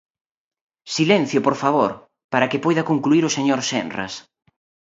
¡Silencio, por favor!, para que poida concluír o señor Senras.